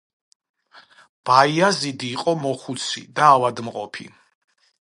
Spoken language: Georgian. ბაიაზიდი იყო მოხუცი და ავადმყოფი.